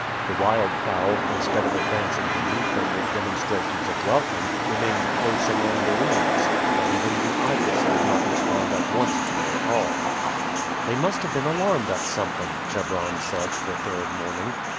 The wildfowl, instead of advancing to meet them with demonstrations of welcome, remained close among the reeds, and even the ibis did not respond at once to their call. "They must have been alarmed at something," Chebron said the third morning.